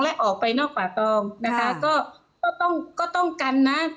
และออกไปนอกป่าตองนะคะก็ต้องก็ต้องกันนะ